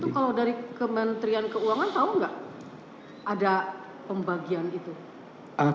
kalau dari kementerian keuangan tahu nggak ada pembagian itu